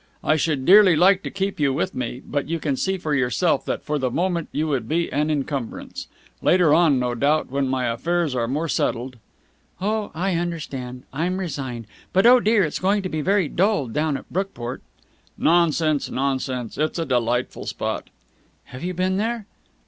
I should dearly like to keep you with me, but you can see for yourself that for the moment you would be an encumbrance. Later on, no doubt, when my affairs are more settled...." "Oh, I understand. I'm resigned. But, oh dear! it's going to be very dull down at Brookport." "Nonsense, nonsense! It's a delightful spot." "Have you been there?"